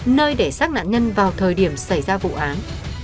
nơi để xác nạn nhân vào thời điểm xảy ra vụ án